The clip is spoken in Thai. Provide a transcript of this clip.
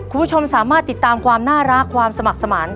คุณผู้ชมสามารถติดตามความน่ารักความสมัครสมาน